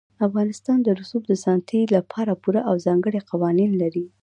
افغانستان د رسوب د ساتنې لپاره پوره او ځانګړي قوانین لري.